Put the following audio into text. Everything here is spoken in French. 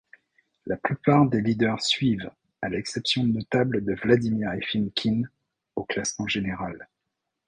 La plupart des leaders suivent, à l'exception notable de Vladimir Efimkin, au classement général.